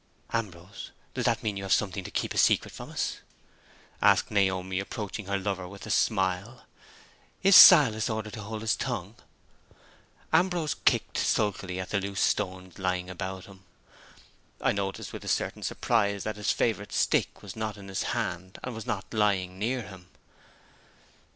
"Ambrose, does that mean you have something to keep a secret from us?" asked Naomi, approaching her lover with a smile. "Is Silas ordered to hold his tongue?" Ambrose kicked sulkily at the loose stones lying about him. I noticed, with a certain surprise that his favorite stick was not in his hand, and was not lying near him.